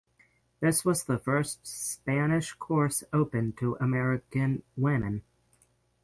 This was the first Spanish course open to American women.